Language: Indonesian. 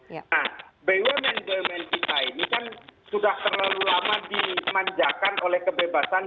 nah bumn bumn kita ini kan sudah terlalu lama dimanjakan oleh kebebasan